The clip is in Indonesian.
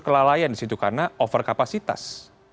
kelalaian di situ karena overkapasitas